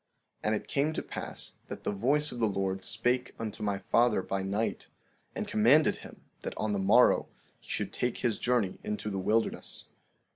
16:9 And it came to pass that the voice of the Lord spake unto my father by night, and commanded him that on the morrow he should take his journey into the wilderness.